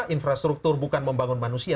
infrastruktur bukan membangun manusia